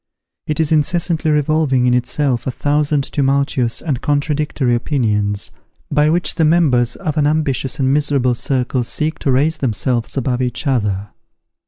It is incessantly revolving in itself a thousand tumultuous and contradictory opinions, by which the members of an ambitious and miserable circle seek to raise themselves above each other.